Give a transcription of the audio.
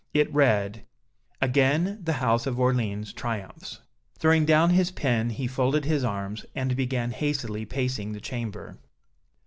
It read: "Again the House of Orléans triumphs!" Throwing down his pen, he folded his arms, and began hastily pacing the chamber.